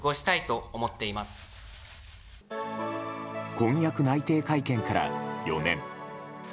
婚約内定会見から４年。